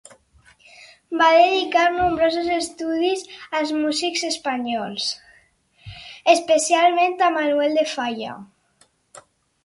Va dedicar nombrosos estudis als músics espanyols, especialment a Manuel de Falla.